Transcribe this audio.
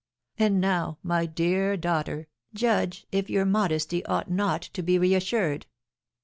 And now, my dear daughter, judge if your modesty ought not to be reassured."